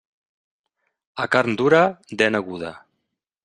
A carn dura, dent aguda.